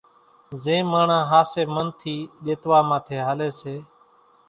زين ماڻۿان ۿاسي من ٿي ۮيتوا ماٿي ھالي سي